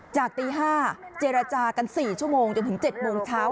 ตี๕เจรจากัน๔ชั่วโมงจนถึง๗โมงเช้า